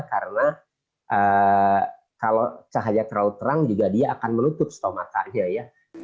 karena kalau cahaya terlalu terang juga dia akan menutup stomatanya